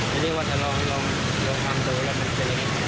รู้สึกว่าถ้ารั่วลงทำดูแล้วมันเป็นนี้